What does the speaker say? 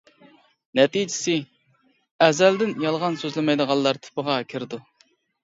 نەتىجىسى: ئەزەلدىن يالغان سۆزلىمەيدىغانلار تىپىغا كىرىدۇ.